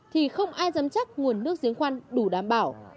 thì không ai dám chắc nguồn nước giếng khoan đủ đảm bảo